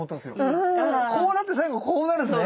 こうなって最後こうなるんですね。